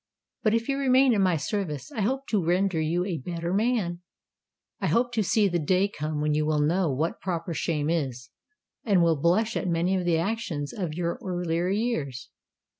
But if you remain in my service, I hope to render you a better man—I hope to see the day come when you will know what proper shame is, and will blush at many of the actions of your earlier years.